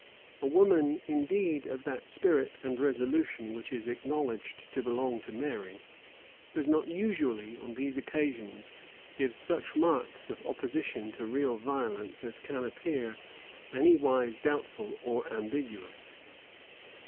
[*] A woman, indeed, of that spirit and resolution which is acknowledged to belong to Mary, does not usually, on these occasions, give such marks of opposition to real violence as can appear any wise doubtful or ambiguous.